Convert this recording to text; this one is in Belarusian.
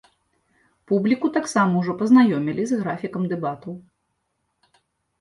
Публіку таксама ўжо пазнаёмілі з графікам дэбатаў.